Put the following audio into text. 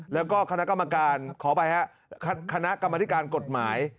แล้วก็คณะกรรมการขออภัยฮะคณะกรรมธิการกฎหมาย